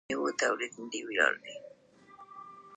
موږ باید په خپل ټولنیز چاپیریال پوه سو.